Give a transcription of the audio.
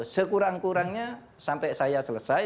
sekurang kurangnya sampai saya selesai